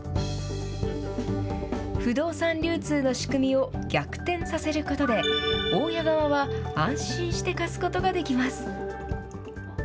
不動産流通の仕組みを逆転させることで、大家側は安心して貸すことができます。